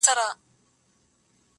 چاته يې لمنه كي څـه رانــه وړل.